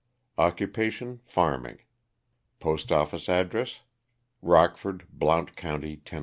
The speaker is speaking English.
Occupation, farming. Postoffice address, Rockford, Blount county, Tenn.